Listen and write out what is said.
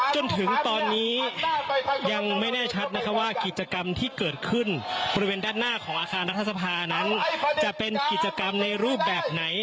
จนถึงตอนนี้ยังไม่แน่ชัดนะคะว่ากิจกรรมที่เกิดขึ้นบริเวณด้านหน้าของอาคารรัฐสภานั้นจะเป็นกิจกรรมในรูปแบบไหน